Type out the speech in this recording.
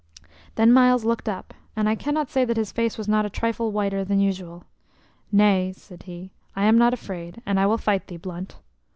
Then Myles looked up, and I cannot say that his face was not a trifle whiter than usual. "Nay," said he, "I am not afraid, and I will fight thee, Blunt."